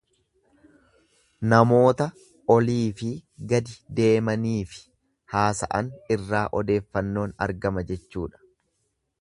Namoota oliifi gadi deemaniifi haasa'an irraa odeeffannoon argama jechuudha.